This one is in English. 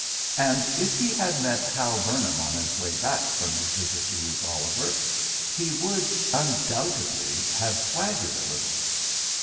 And if he had met Hal Burnham on his way back from his visit to Ruth Oliver he would undoubtedly have swaggered a little.